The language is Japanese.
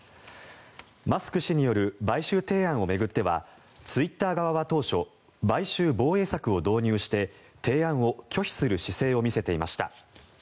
マスク氏による買収提案を巡ってはツイッター側は当初買収防衛策を導入して提案を拒否する姿勢を見せていました。